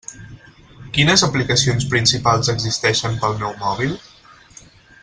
Quines aplicacions principals existeixen per al meu mòbil?